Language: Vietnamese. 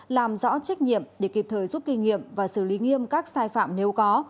làm rõ trách nhiệm để kịp thời giúp kinh nghiệm và xử lý nghiêm các sai phạm nếu có